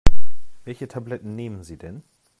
Welche Tabletten nehmen Sie denn?